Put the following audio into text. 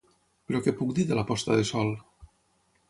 Però què puc dir de la posta de sol?